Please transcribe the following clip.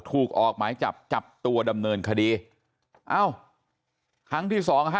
ถูกออกหมายจับจับตัวดำเนินคดีอ้าวครั้งที่๒๕๖